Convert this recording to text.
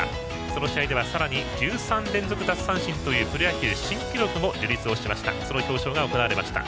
その試合ではさらに１３連続奪三振というプロ野球新記録も樹立しました。